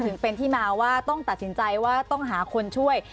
ถึงเป็นที่มาว่าต้องตัดสินใจว่าต้องหาคนช่วย